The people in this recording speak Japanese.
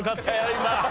今。